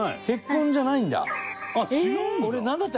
結婚じゃないんだ。